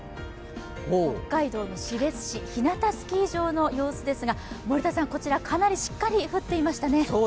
北海道の士別市日向スキー場の様子ですがこちら、かなりしっかり降っていますね。